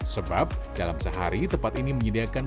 sebab dalam sehari tempat ini menyediakan